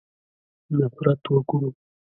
نفرت وکړو.